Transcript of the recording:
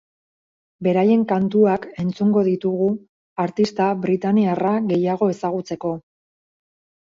Beraien kantuak entzungo ditugu artista britainiarra gehiago ezagutzeko.